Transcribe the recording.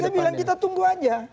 itu yang saya bilang kita tunggu aja